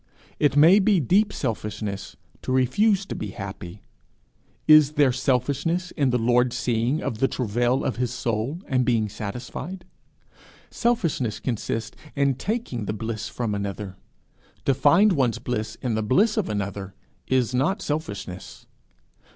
It may be deep selfishness to refuse to be happy. Is there selfishness in the Lord's seeing of the travail of his soul and being satisfied? Selfishness consists in taking the bliss from another; to find one's bliss in the bliss of another is not selfishness.